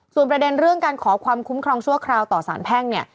ส่วนประเด็นเรื่องการขอความคุ้มครองชั่วคราวต่อสารแพ่งเนี่ย